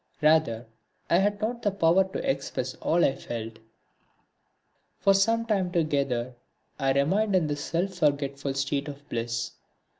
Rather I had not the power to express all I felt. For some time together I remained in this self forgetful state of bliss.